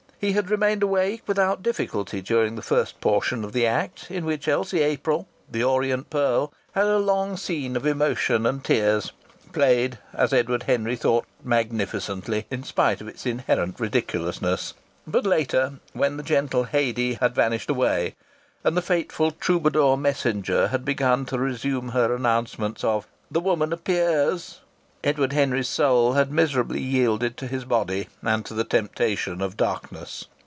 He had remained awake without difficulty during the first portion of the act, in which Elsie April the orient pearl had had a long scene of emotion and tears, played, as Edward Henry thought, magnificently in spite of its inherent ridiculousness; but later, when gentle Haidee had vanished away and the fateful troubadour messenger had begun to resume her announcements of "The woman appears," Edward Henry's soul had miserably yielded to his body and to the temptation of darkness.